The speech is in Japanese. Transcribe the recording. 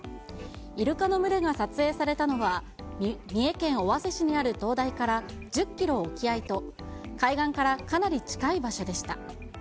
イルカの群れが撮影されたのは、三重県尾鷲市にある灯台から１０キロ沖合と、海岸からかなり近い場所でした。